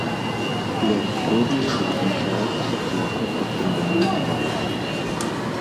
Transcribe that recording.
Лёс прэміі вызначаецца шляхам падсумавання балаў.